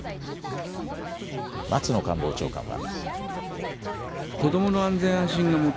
松野官房長官は。